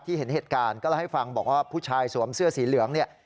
เห็นเหตุการณ์ก็เล่าให้ฟังบอกว่าผู้ชายสวมเสื้อสีเหลืองเนี่ย